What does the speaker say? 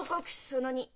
その２。